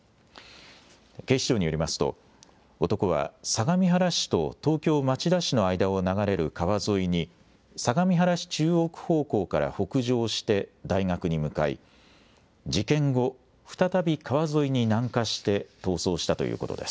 警視庁によりますと、男は相模原市と東京・町田市の間を流れる川沿いに、相模原市中央区方向から北上して大学に向かい、事件後、再び川沿いに南下して逃走したということです。